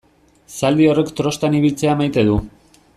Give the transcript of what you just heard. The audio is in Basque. Zaldi horrek trostan ibiltzea maite du.